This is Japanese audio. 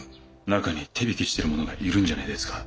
中に手引きしている者がいるんじゃねえですか。